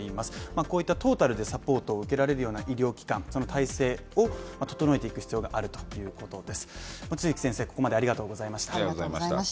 こういったトータルでサポートを受けられるような医療機関、体制を整えていく必要があるということです。